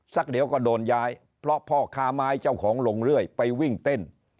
เดี๋ยวก็โดนย้ายเพราะพ่อค้าไม้เจ้าของลงเรื่อยไปวิ่งเต้น